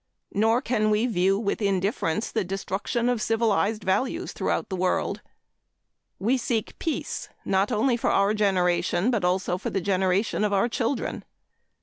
Nor can we view with indifference the destruction of civilized values throughout the world. We seek peace, not only for our generation but also for the generation of our children.